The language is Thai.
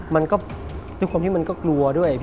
มันก็ด้วยความที่มันก็กลัวด้วย